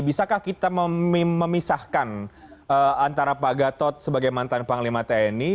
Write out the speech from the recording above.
bisakah kita memisahkan antara pak gatot sebagai mantan panglima tni